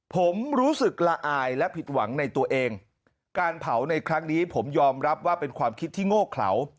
ผมรู้สึกละอายและผิดหวังในตัวเองการเผาในครั้งนี้ผมยอมรับว่าเป็นความคิดที่โง่เขลา